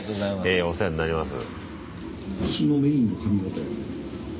ええお世話になります。